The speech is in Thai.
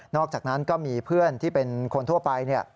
อกจากนั้นก็มีเพื่อนที่เป็นคนทั่วไป